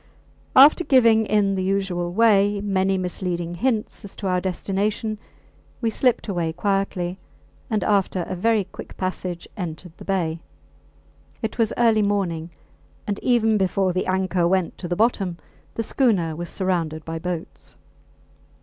After giving in the usual way many misleading hints as to our destination, we slipped away quietly, and after a very quick passage entered the bay. It was early morning, and even before the anchor went to the bottom the schooner was surrounded by boats.